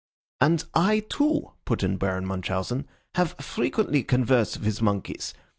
"And I, too," put in Baron Munchausen, "have frequently conversed with monkeys.